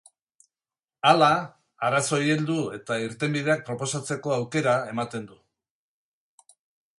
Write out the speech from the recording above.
Hala, arazoei heldu eta irtenbideak proposatzeko aukera ematen du.